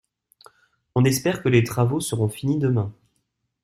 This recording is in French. On espère que les travaux seront finis demain.